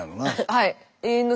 はい。